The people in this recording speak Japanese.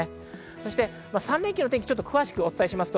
そして３連休の天気、詳しくお伝えします。